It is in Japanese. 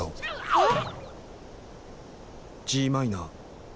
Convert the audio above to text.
あっ。